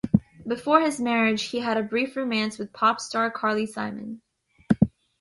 Before his marriage, he had a brief romance with pop star Carly Simon.